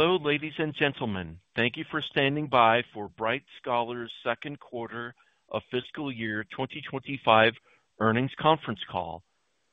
Hello, ladies and gentlemen. Thank you for standing by for Bright Scholar's Q2 of fiscal year 2025 earnings conference call.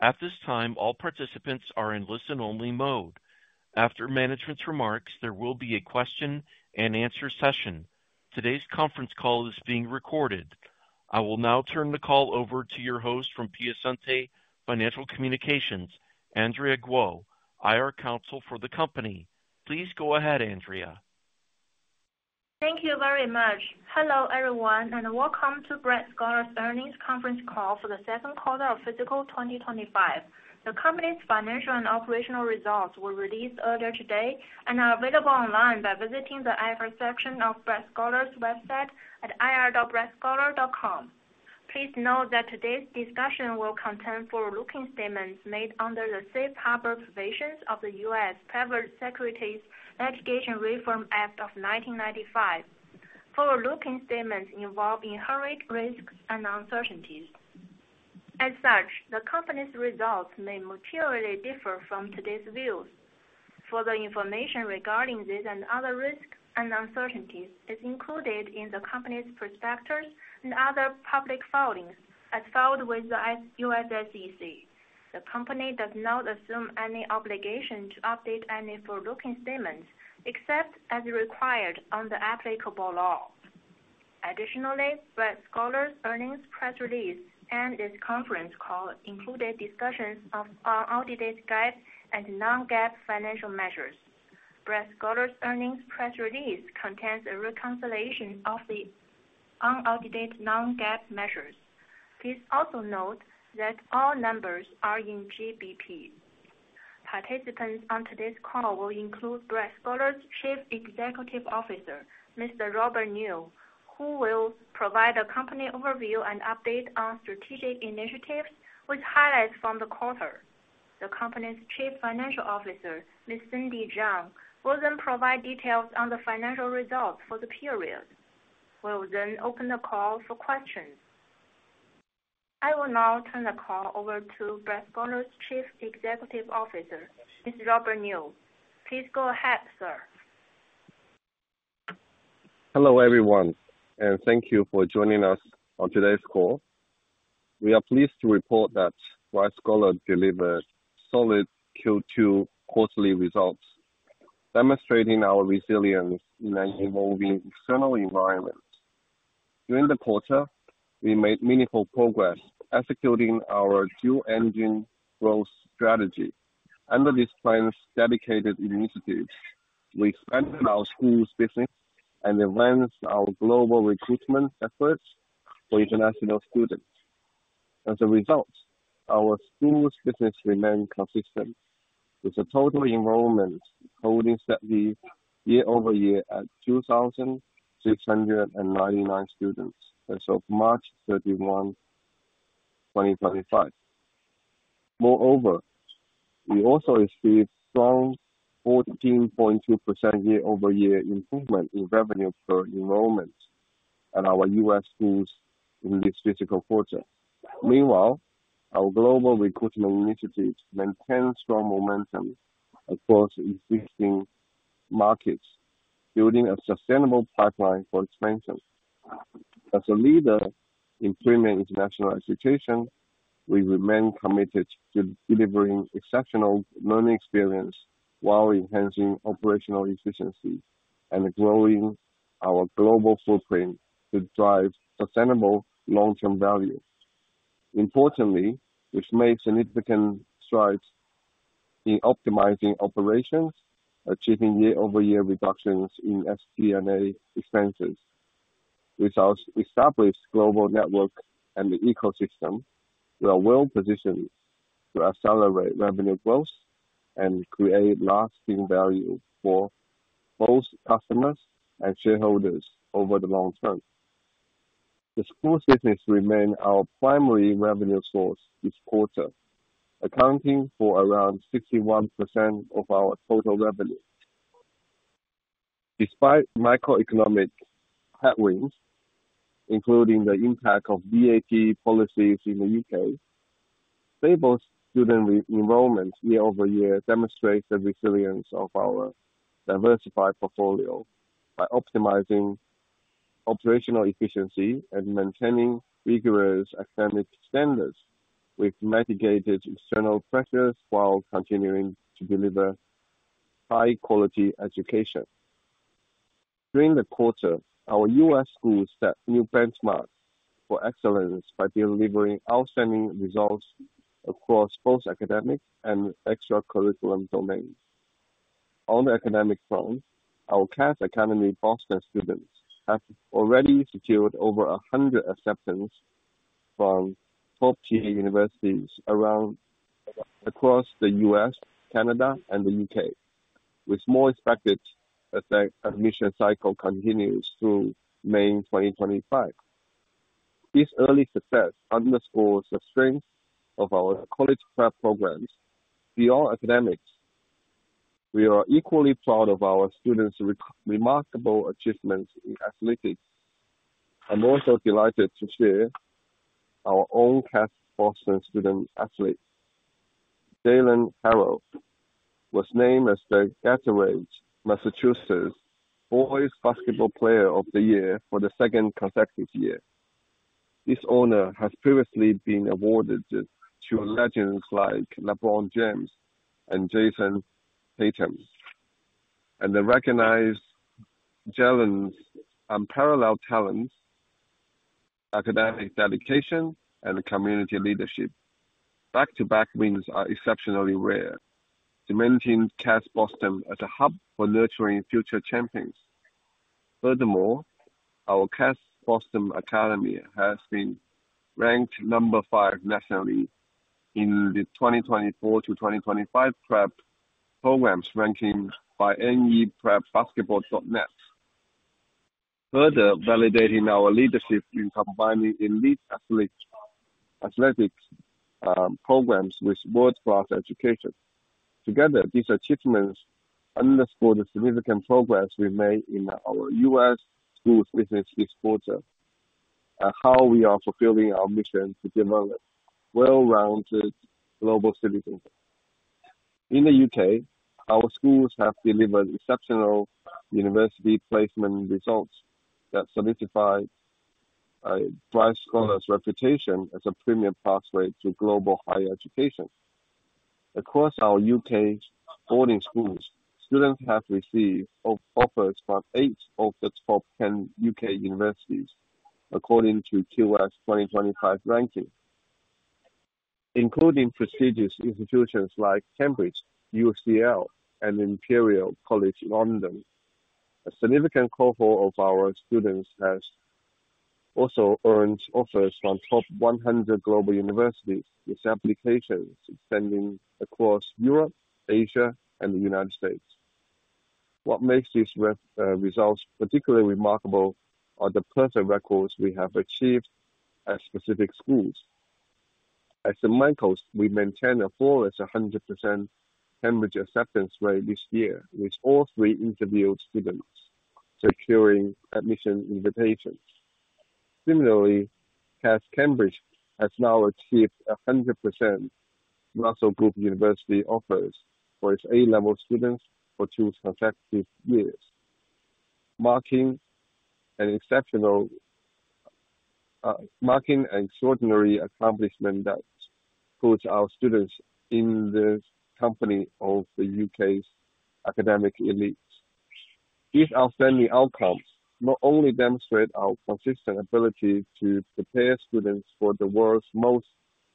At this time, all participants are in listen-only mode. After management's remarks, there will be a question-and-answer session. Today's conference call is being recorded. I will now turn the call over to your host from Piacente Financial Communications, Andrea Guo, IR Counsel for the company. Please go ahead, Andrea. Thank you very much. Hello, everyone, and welcome to Bright Scholar's earnings conference call for the Q2 of fiscal 2025. The company's financial and operational results were released earlier today and are available online by visiting the IR section of Bright Scholar's website at ir.brightscholar.com. Please note that today's discussion will contain forward-looking statements made under the Safe Harbor Provisions of the U.S. Federal Securities Litigation Reform Act of 1995. Forward-looking statements involve inherent risks and uncertainties. As such, the company's results may materially differ from today's views. Further information regarding these and other risks and uncertainties is included in the company's prospectus and other public filings as filed with the U.S. Securities and Exchange Commission. The company does not assume any obligation to update any forward-looking statements except as required under applicable law. Additionally, Bright Scholar's earnings press release and this conference call included discussions of unaudited GAAP and non-GAAP financial measures. Bright Scholar's earnings press release contains a reconciliation of the unaudited non-GAAP measures. Please also note that all numbers are in GBP. Participants on today's call will include Bright Scholar's Chief Executive Officer, Mr. Robert Niu, who will provide a company overview and update on strategic initiatives with highlights from the quarter. The company's Chief Financial Officer, Ms. Cindy Zhang, will then provide details on the financial results for the period. We'll then open the call for questions. I will now turn the call over to Bright Scholar's Chief Executive Officer, Mr. Robert Niu. Please go ahead, sir. Hello, everyone, and thank you for joining us on today's call. We are pleased to report that Bright Scholar delivered solid Q2 quarterly results, demonstrating our resilience in an evolving external environment. During the quarter, we made meaningful progress executing our Dual Engine Growth Strategy. Under this plan's dedicated initiatives, we expanded our school's business and advanced our global recruitment efforts for international students. As a result, our school's business remained consistent, with a total enrollment holding steadily year over year at 2,699 students as of March 31, 2025. Moreover, we also achieved a strong 14.2% year-over-year improvement in revenue per enrollment at our U.S. schools in this fiscal quarter. Meanwhile, our global recruitment initiatives maintain strong momentum across existing markets, building a sustainable pipeline for expansion. As a leader in premium international education, we remain committed to delivering exceptional learning experience while enhancing operational efficiency and growing our global footprint to drive sustainable long-term value. Importantly, we've made significant strides in optimizing operations, achieving year-over-year reductions in SG&A expenses. With our established global network and the ecosystem, we are well-positioned to accelerate revenue growth and create lasting value for both customers and shareholders over the long term. The school's business remains our primary revenue source this quarter, accounting for around 61% of our total revenue. Despite microeconomic headwinds, including the impact of VAT policies in the U.K., stable student enrollment year-over-year demonstrates the resilience of our diversified portfolio by optimizing operational efficiency and maintaining rigorous academic standards with mitigated external pressures while continuing to deliver high-quality education. During the quarter, our U.S. Schools set new benchmarks for excellence by delivering outstanding results across both academic and extracurricular domains. On the academic front, our CATS Academy Boston students have already secured over 100 acceptances from top-tier universities across the U.S., Canada, and the U.K., with more expected admission cycles continuing through May 2025. This early success underscores the strength of our college prep programs. Beyond academics, we are equally proud of our students' remarkable achievements in athletics. I'm also delighted to share our own CATS Boston student athlete, Jaylen Harrell, was named as the Gatorade Massachusetts Boy's Basketball Player of the Year for the second consecutive year. This honor has previously been awarded to legends like LeBron James and Jayson Tatum, and they recognize Jalen's unparalleled talent, academic dedication, and community leadership. Back-to-back wins are exceptionally rare, cementing CATS Boston as a hub for nurturing future champions. Furthermore, our CATS Academy Boston has been ranked number five nationally in the 2024-2025 prep programs ranking by NEprepBasketball.net, further validating our leadership in combining elite athletic programs with world-class education. Together, these achievements underscore the significant progress we've made in our U.S. schools' business this quarter and how we are fulfilling our mission to develop well-rounded global citizens. In the U.K., our schools have delivered exceptional university placement results that solidify Bright Scholar's reputation as a premium pathway to global higher education. Across our U.K. boarding schools, students have received offers from eight of the top 10 U.K. universities, according to QS 2025 ranking, including prestigious institutions like Cambridge, UCL, and Imperial College London. A significant cohort of our students has also earned offers from top 100 global universities with applications extending across Europe, Asia, and the United States. What makes these results particularly remarkable are the perfect records we have achieved at specific schools. At St. Michael's, we maintained a flawless 100% Cambridge acceptance rate this year with all three interviewed students securing admission invitations. Similarly, CATS Cambridge has now achieved 100% Russell Group University offers for its A-level students for two consecutive years, marking an extraordinary accomplishment that puts our students in the company of the U.K.'s academic elites. These outstanding outcomes not only demonstrate our consistent ability to prepare students for the world's most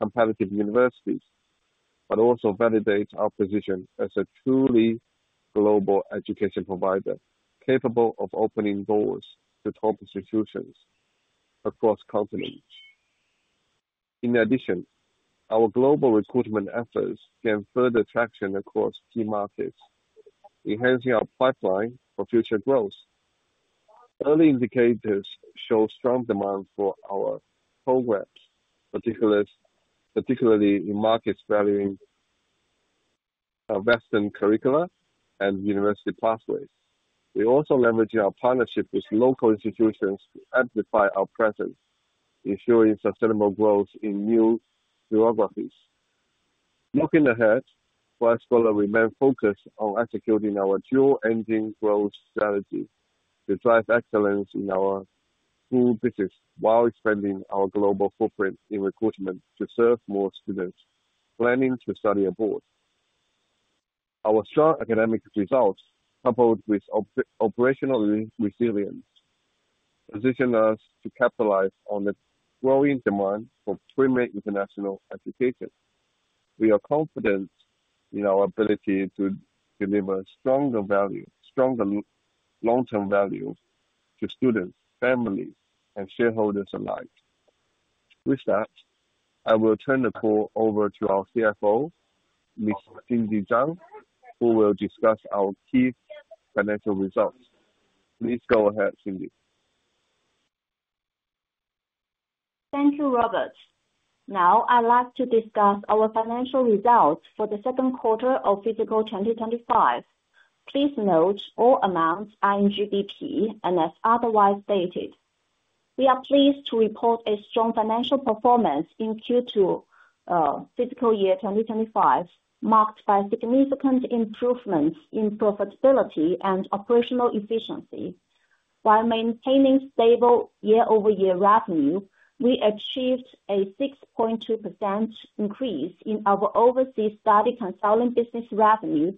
competitive universities, but also validate our position as a truly global education provider capable of opening doors to top institutions across continents. In addition, our global recruitment efforts gain further traction across key markets, enhancing our pipeline for future growth. Early indicators show strong demand for our programs, particularly in markets valuing our Western curricula and university pathways. We're also leveraging our partnership with local institutions to amplify our presence, ensuring sustainable growth in new geographies. Looking ahead, Bright Scholar remains focused on executing our Dual Engine Growth Strategy to drive excellence in our school business while expanding our global footprint in recruitment to serve more students planning to study abroad. Our strong academic results, coupled with operational resilience, position us to capitalize on the growing demand for premium international education. We are confident in our ability to deliver stronger value, stronger long-term value to students, families, and shareholders alike. With that, I will turn the call over to our CFO, Ms. Cindy Zhang, who will discuss our key financial results. Please go ahead, Cindy. Thank you, Robert. Now, I'd like to discuss our financial results for the Q2 of fiscal 2025. Please note all amounts are in GBP and as otherwise stated. We are pleased to report a strong financial performance in Q2 fiscal year 2025, marked by significant improvements in profitability and operational efficiency. While maintaining stable year-over-year revenue, we achieved a 6.2% increase in our overseas study consulting business revenue,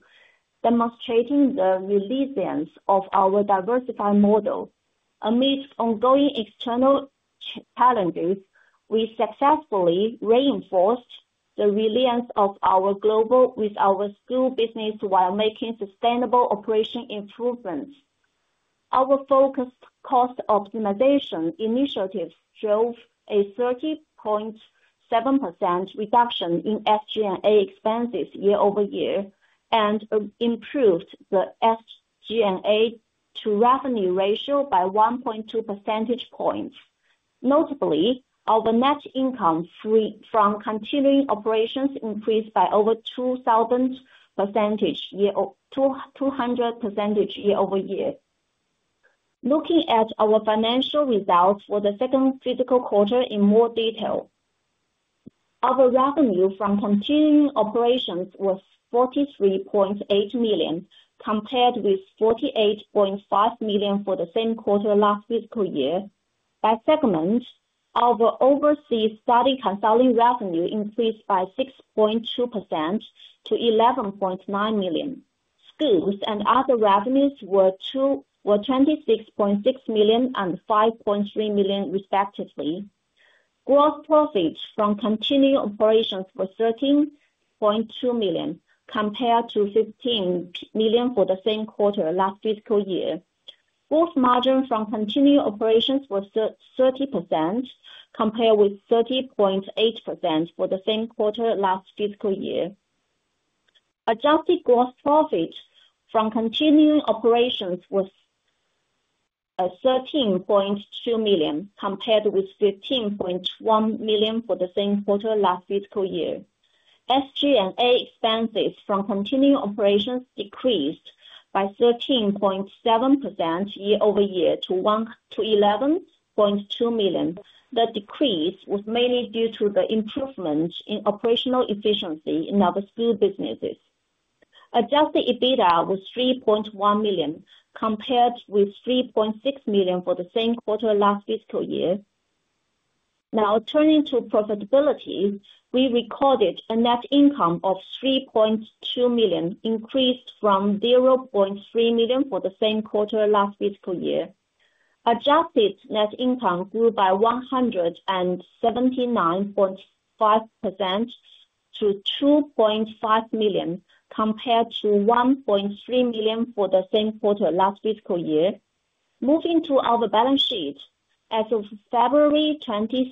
demonstrating the resilience of our diversified model. Amidst ongoing external challenges, we successfully reinforced the resilience of our global with our school business while making sustainable operational improvements. Our focused cost optimization initiatives drove a 30.7% reduction in SG&A expenses year-over-year and improved the SG&A-to-revenue ratio by 1.2 percentage points. Notably, our net income from continuing operations increased by over 2000% year-over-year. Looking at our financial results for the second fiscal quarter in more detail, our revenue from continuing operations was $43.8 million compared with $48.5 million for the same quarter last fiscal year. By segment, our overseas study consulting revenue increased by 6.2% to $11.9 million. Schools and other revenues were $26.6 million and $5.3 million, respectively. Gross profits from continuing operations were $13.2 million compared to $15 million for the same quarter last fiscal year. Gross margin from continuing operations was 30% compared with 30.8% for the same quarter last fiscal year. Adjusted gross profit from continuing operations was $13.2 million compared with $15.1 million for the same quarter last fiscal year. SG&A expenses from continuing operations decreased by 13.7% year-over-year to $11.2 million. The decrease was mainly due to the improvement in operational efficiency in our school businesses. Adjusted EBITDA was $3.1 million compared with $3.6 million for the same quarter last fiscal year. Now, turning to profitability, we recorded a net income of $3.2 million, increased from $0.3 million for the same quarter last fiscal year. Adjusted net income grew by 179.5% to $2.5 million compared to $1.3 million for the same quarter last fiscal year. Moving to our balance sheet, as of February 28,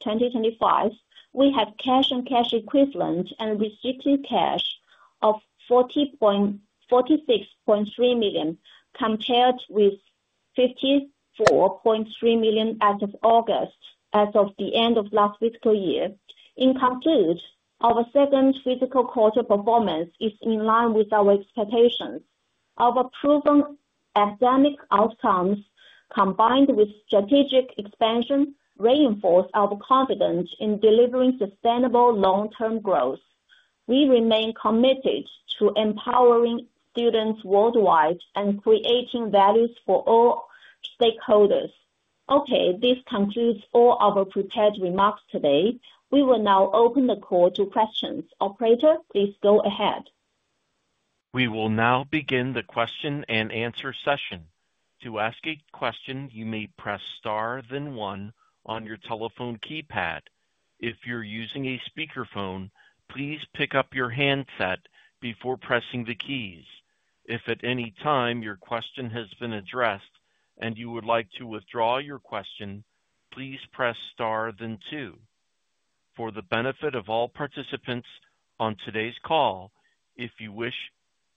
2025, we have cash and cash equivalent and restricted cash of $46.3 million compared with $54.3 million as of August, as of the end of last fiscal year. In conclusion, our second fiscal quarter performance is in line with our expectations. Our proven academic outcomes, combined with strategic expansion, reinforce our confidence in delivering sustainable long-term growth. We remain committed to empowering students worldwide and creating values for all stakeholders. Okay, this concludes all our prepared remarks today. We will now open the call to questions. Operator, please go ahead. We will now begin the question-and-answer session. To ask a question, you may press star then one on your telephone keypad. If you're using a speakerphone, please pick up your handset before pressing the keys. If at any time your question has been addressed and you would like to withdraw your question, please press star then two. For the benefit of all participants on today's call, if you wish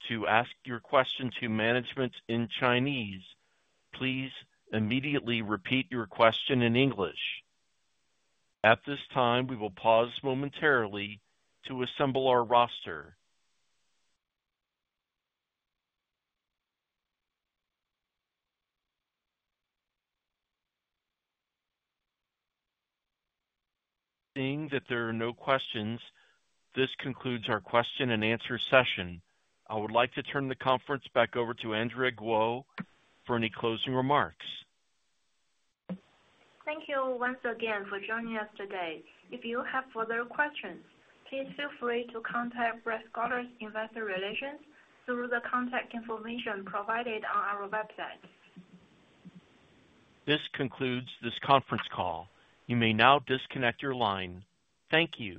to ask your question to management in Chinese, please immediately repeat your question in English. At this time, we will pause momentarily to assemble our roster. Seeing that there are no questions, this concludes our question-and-answer session. I would like to turn the conference back over to Andrea Guo for any closing remarks. Thank you once again for joining us today. If you have further questions, please feel free to contact Bright Scholar's Investor Relations through the contact information provided on our website. This concludes this conference call. You may now disconnect your line. Thank you.